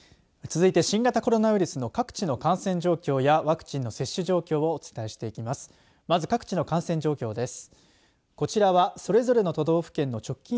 続いて、新型コロナウイルスの各地の感染状況やワクチンの接種状況をお伝えしていきます。